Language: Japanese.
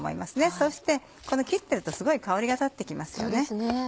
そして切ってるとすごい香りが立って来ますよね。